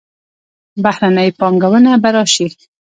بهرنۍ پانګونه به راشي.